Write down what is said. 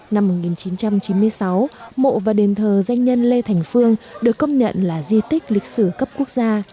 năm một nghìn chín trăm chín mươi sáu mộ và đền thờ danh nhân lê thành phương được công nhận là di tích lịch sử cấp quốc gia